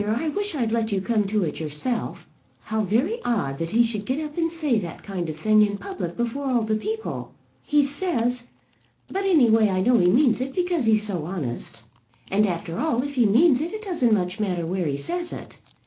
I wish I'd let you come to it yourself. How very odd that he should get up and say that kind of thing in public before all the people. He says; but any way I know he means it because he's so honest. And after all if he means it, it doesn't much matter where he says it.